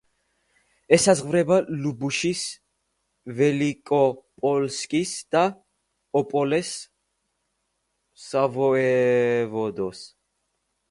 ესაზღვრება ლუბუშის, ველიკოპოლსკის და ოპოლეს სავოევოდოს.